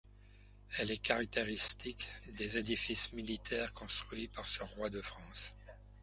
Elle est caractéristique des édifices militaires construits par ce roi de France.